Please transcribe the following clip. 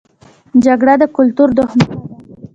جګړه د کلتور دښمنه ده